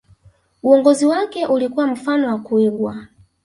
uongozi wake ulikuwa mfano wa kuigwa